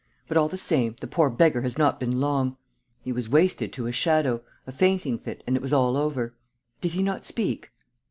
But, all the same, the poor beggar has not been long. ..." "He was wasted to a shadow. A fainting fit; and it was all over." "Did he not speak?"